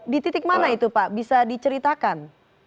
di titik mana itu pak bisa diceritakan